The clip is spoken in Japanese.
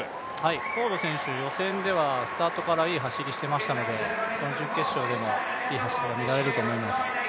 フォード選手、予選ではスタートからいい走りをしていましたので準決勝でもいい走りが見られると思います。